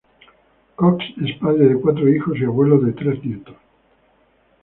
Cox es padre de cuatro hijos y abuelo de tres nietos.